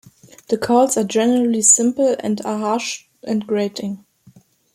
The calls are generally simple and are harsh and grating.